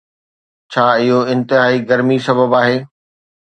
ڇا اهو انتهائي گرمي سبب آهي.